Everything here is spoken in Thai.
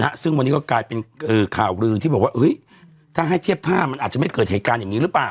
ซึ่งวันนี้ก็กลายเป็นข่าวลือที่บอกว่าเฮ้ยถ้าให้เทียบท่ามันอาจจะไม่เกิดเหตุการณ์อย่างนี้หรือเปล่า